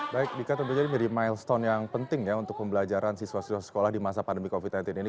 baik dikatakan menjadi milestone yang penting untuk pembelajaran siswa siswa sekolah di masa pandemi covid sembilan belas ini